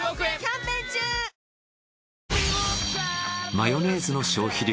マヨネーズの消費量